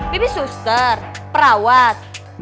bibi suster perawat